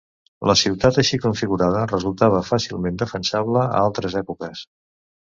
La ciutat així configurada resultava fàcilment defensable a altres èpoques.